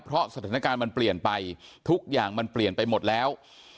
เพราะสถานการณ์มันเปลี่ยนไปทุกอย่างมันเปลี่ยนไปหมดแล้ว